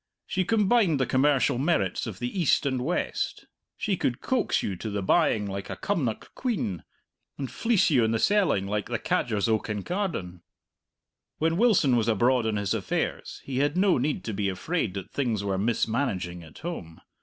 She combined the commercial merits of the East and West. She could coax you to the buying like a Cumnock quean, and fleece you in the selling like the cadgers o' Kincardine. When Wilson was abroad on his affairs he had no need to be afraid that things were mismanaging at home.